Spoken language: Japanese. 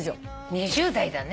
２０代だね。